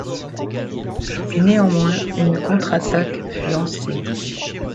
Néanmoins, une contre attaque fut lancée.